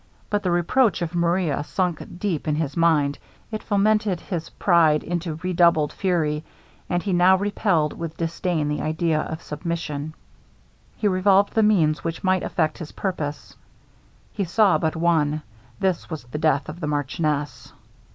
But the reproach of Maria sunk deep in his mind; it fomented his pride into redoubled fury, and he now repelled with disdain the idea of submission. He revolved the means which might effect his purpose he saw but one this was the death of the marchioness.